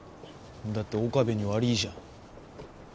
だって岡部に悪ぃじゃん。